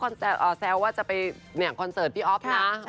แล้วก็แซวว่าจะไปแหน่งคอนเซิร์ตพี่อ๊อฟนะ